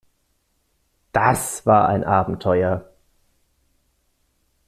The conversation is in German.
Das war ein Abenteuer.